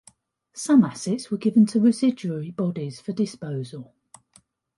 Some assets were given to residuary bodies for disposal.